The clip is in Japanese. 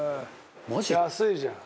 長嶋：安いじゃん。